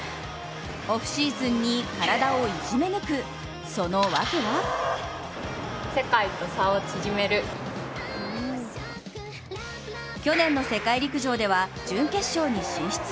オフシーズンに体をいじめ抜くその訳は去年の世界陸上では準決勝に進出。